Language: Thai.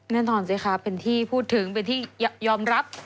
แน่นอนสิคะเป็นที่พูดถึงเป็นที่ยอมรับ